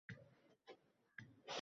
Birozgina kitob oʻqisalar edi.